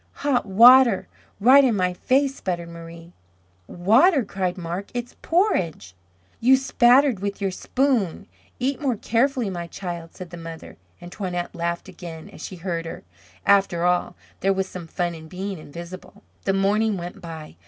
"Hot water! Right in my face!" sputtered Marie. "Water!" cried Marc. "It's porridge." "You spattered with your spoon. Eat more carefully, my child," said the mother, and Toinette laughed again as she heard her. After all, there was some fun in being invisible. The morning went by.